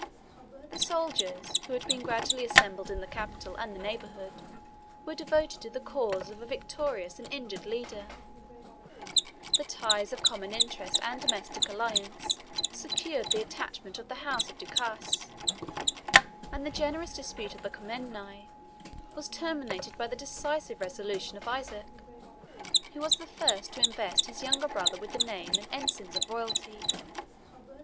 The soldiers who had been gradually assembled in the capital and the neighborhood, were devoted to the cause of a victorious and injured leader: the ties of common interest and domestic alliance secured the attachment of the house of Ducas; and the generous dispute of the Comneni was terminated by the decisive resolution of Isaac, who was the first to invest his younger brother with the name and ensigns of royalty.